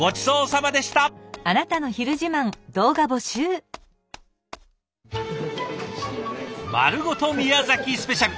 「まるごと宮崎スペシャル」。